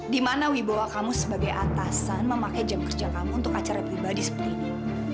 dimana wibawa kamu sebagai atasan memakai jam kerja kamu untuk acara pribadi seperti ini